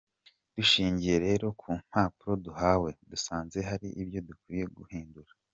Dushingiye rero ku mpanuro duhawe, dusanze hari ibyo dukwiye guhindura.